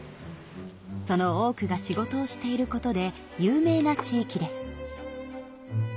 その多くが仕事をしていることで有名な地域です。